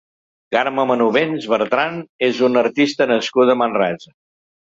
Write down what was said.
Carme Manubens Bertran és una artista nascuda a Manresa.